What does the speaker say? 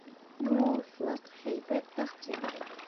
— Ду-у-ҫлык!.. һәйбәт тәҡдим...